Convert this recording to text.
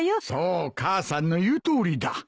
そう母さんの言うとおりだ。